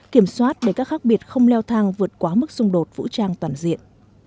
kiểm soát để các khác biệt không leo thang vượt quá mức xung đột vũ trang toàn diện